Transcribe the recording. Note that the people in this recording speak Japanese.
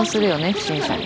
不審者に。